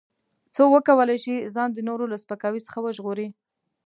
څو وکولای شي ځان د نورو له سپکاوي څخه وژغوري.